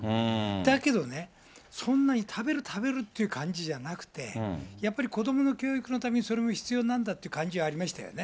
だけどね、そんなに食べる食べるっていう感じじゃなくて、やっぱり子どもの教育のためにそれも必要なんだっていう感じはありましたよね。